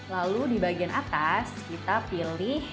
lalu di bagian atas kita pilih